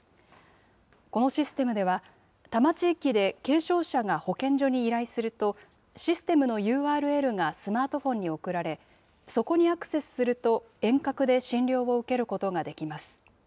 このシステムでは、多摩地域で軽症者が保健所に依頼すると、システムのＵＲＬがスマートフォンに送られ、そこにアクセスすると、遠隔で診療を受けることができます。